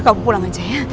kamu pulang saja